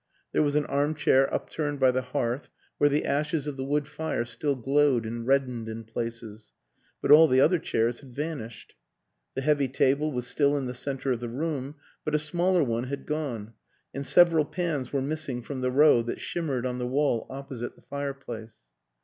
There was an arm chair upturned by the hearth where the ashes of the wood fire still glowed and reddened in places, but all the other chairs had vanished. The heavy table was still in the center of the room, but a smaller one had gone, and several pans were missing from the row that shimmered on the wall opposite the fire place.